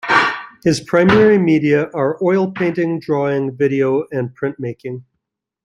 His primary media are oil painting, drawing, video and printmaking.